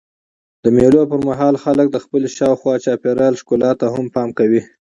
د مېلو پر مهال خلک د خپلي شاوخوا چاپېریال ښکلا ته هم پام کوي.